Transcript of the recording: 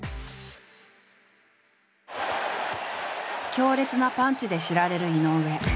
強烈なパンチで知られる井上。